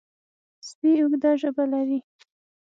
سپي اوږده ژبه لري.